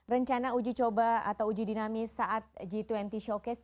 rencana uji coba atau uji dinamis saat g dua puluh showcase